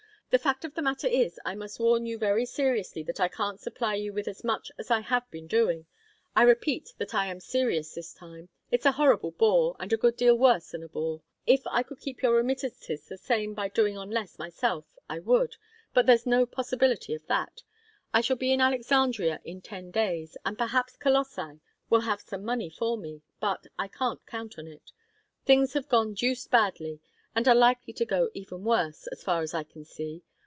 'The fact of the matter is, I must warn you very seriously that I can't supply you with as much as I have been doing. I repeat that I am serious this time. It's a horrible bore, and a good deal worse than a bore. If I could keep your remittances the same by doing on less myself, I would, but there's no possibility of that. I shall be in Alexandria in ten days, and perhaps Colossi will have some money for me, but I can't count on it. Things have gone deuced badly, and are likely to go even worse, as far as I can see.